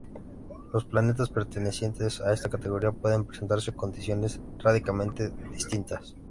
Los planetas pertenecientes a esta categoría pueden presentar condiciones radicalmente distintas.